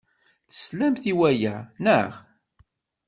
Teslam i waya, naɣ?